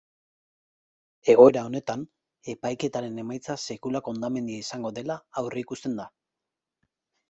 Egoera honetan, epaiketaren emaitza sekulako hondamendia izango dela aurreikusten da.